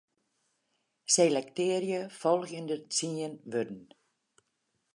Selektearje folgjende tsien wurden.